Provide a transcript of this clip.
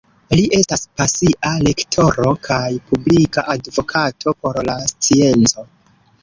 Li estas pasia lektoro kaj publika advokato por la scienco.